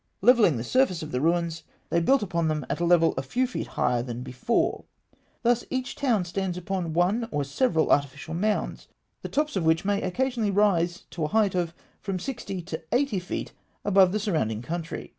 Levelling the surface of the ruins, they built upon them at a level a few feet higher than before: thus each town stands upon one or several artificial mounds, the tops of which may occasionally rise to a height of from sixty to eighty feet above the surrounding country.